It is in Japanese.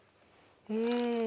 うん。